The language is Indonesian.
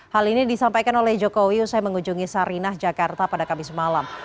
hal ini disampaikan oleh jokowi usai mengunjungi sarinah jakarta pada kamis malam